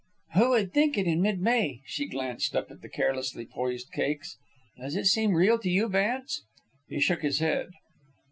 "Who would think it mid May?" She glanced up at the carelessly poised cakes. "Does it seem real to you, Vance?" He shook his head.